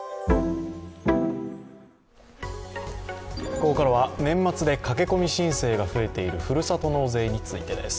ここからは年末で駆け込み申請が増えているふるさと納税についてです。